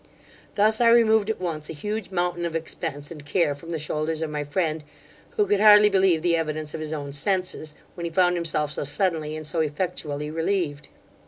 Thus I removed at once a huge mountain of expence and care from the shoulders of my friend, who could hardly believe the evidence of his own senses, when he found himself so suddenly and so effectually relieved.